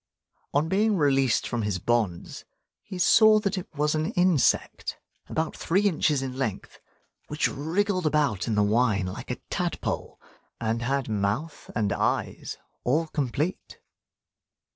On being released from his bonds, he saw that it was an insect about three inches in length, which wriggled about in the wine like a tadpole, and had mouth and eyes all complete.